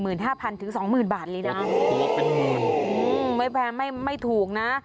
โหตัวเป็นหมื่นอืมไปแพงไม่ถูกนะ